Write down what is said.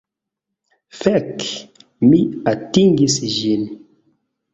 Fek! Mi atingis ĝin!